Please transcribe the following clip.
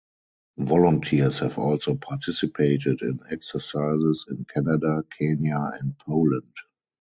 Volunteers have also participated in exercises in Canada, Kenya and Poland.